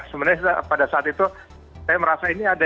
sebenarnya pada saat itu saya merasa ini ada